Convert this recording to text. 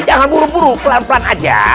jangan buru buru pelan pelan aja